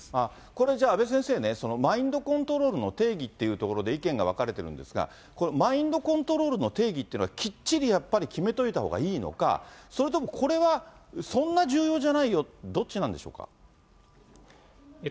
これじゃあ、阿部先生ね、マインドコントロールの定義っていうところで、意見が分かれてるんですが、これ、マインドコントロールの定義というのは、きっちりやっぱり決めといたほうがいいのか、それとも、これはそんな重要じゃないよ、どっちなんでしょうか。